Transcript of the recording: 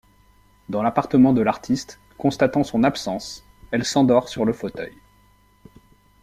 Dans l'appartement de l'artiste, constatant son absence, elle s'endort sur le fauteuil.